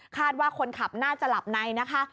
ว่าคนขับน่าจะหลับในนะคะ